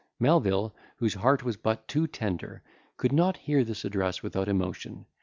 Melvil, whose heart was but too tender, could not hear this address without emotion.